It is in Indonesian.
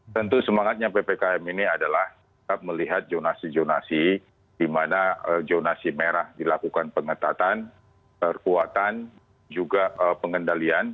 tentu semangatnya ppkm ini adalah tetap melihat zonasi zonasi di mana jonasi merah dilakukan pengetatan perkuatan juga pengendalian